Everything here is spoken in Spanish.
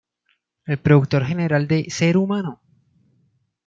El productor general de "Ser humano!!